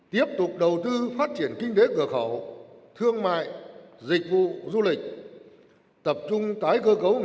tiếp tục đầu tư phát triển kinh tế cửa khẩu thương mại dịch vụ du lịch tập trung tái cơ cấu